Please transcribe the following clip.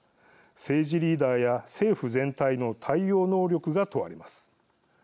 政治リーダーや政府全体の対応能力が問われます。